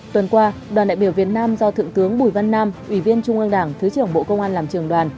tuần qua đoàn đại biểu việt nam do thượng tướng bùi văn nam ủy viên trung ương đảng thứ trưởng bộ công an làm trường đoàn